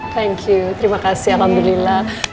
thank you terima kasih alhamdulillah